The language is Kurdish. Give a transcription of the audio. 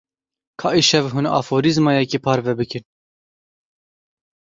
Ka îşev hûn aforîzmayekê parve bikin.